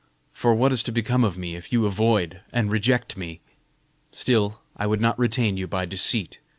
For what is to become of me, if you avoid and reject me? Still, I would not retain you by deceit.